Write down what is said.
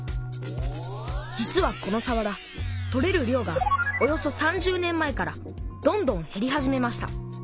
実はこのさわら取れる量がおよそ３０年前からどんどんへり始めました。